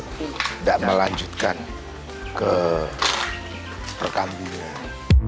tidak melanjutkan ke perkambingan